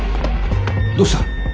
どうした？